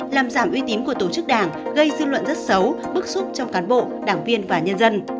làm giảm uy tín của tổ chức đảng gây dư luận rất xấu bức xúc trong cán bộ đảng viên và nhân dân